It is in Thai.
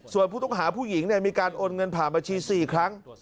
ส่วนผู้ต้องหาผู้หญิงมีการโอนเงินผ่านบัญชี๔ครั้ง